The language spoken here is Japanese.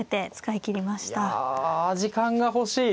いや時間が欲しい。